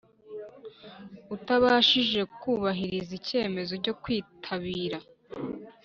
Utabashije kubahiriza icyemezo cyo kwitabira